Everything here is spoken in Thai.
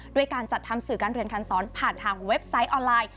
ด้วยการจัดทำสื่อการเรียนการสอนผ่านทางเว็บไซต์ออนไลน์